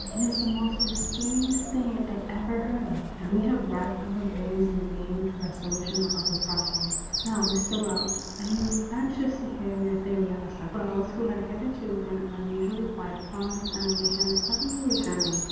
It is the most mysterious thing I ever heard of, and we have racked our brains in vain for a solution of the problem. Now, Mr. Wells, I am anxious to hear your theory on the subject ?" Wells, who had hitherto been unusually quiet, found his animation suddenly returning.